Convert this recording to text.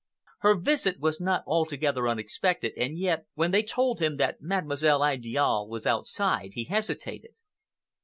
Her visit was not altogether unexpected, and yet, when they told him that Mademoiselle Idiale was outside, he hesitated.